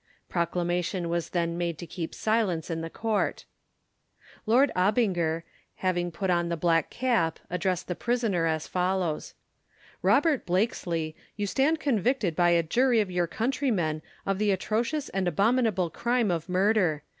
Proclamation was then made to keep silence in the court. Lord Abinger, having put on the black cap, addressed the prisoner as follows: Robert Blakesley, you stand convicted by a jury of your countrymen of the atrocious and abominable crime of murder.